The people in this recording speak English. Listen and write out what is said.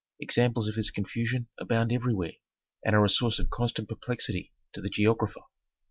Examples of this confusion abound everywhere, and are a source of constant perplexity to the geographer.